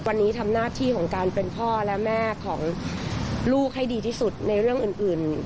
วันนี้ทำหน้าที่ของการเป็นพ่อและแม่ของลูกให้ดีที่สุดในเรื่องอื่น